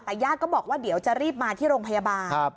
แต่ญาติก็บอกว่าเดี๋ยวจะรีบมาที่โรงพยาบาล